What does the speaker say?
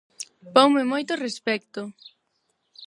Ponme moito respecto.